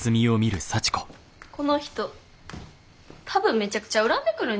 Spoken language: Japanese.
この人多分めちゃくちゃ恨んでくるんちゃう？